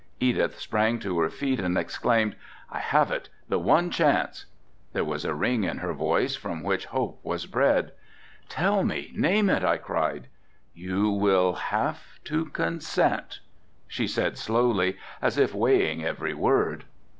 Edith sprang to her feet and exclaimed, "I have it, the one chance." There was a ring in her voice from which hope was bred. "Tell me, name it," I cried. "You will have to consent," she said slowly, as if weighing every word.